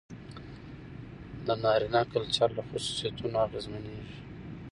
د نارينه کلچر له خصوصيتونو نه اغېزمنېږي.